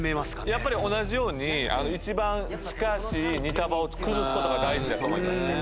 やっぱり同じように一番近しい２束を崩す事が大事だと思います。